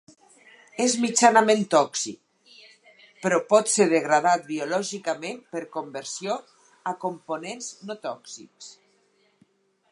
És mitjanament tòxic, però pot ser degradat biològicament per conversió a components no tòxics.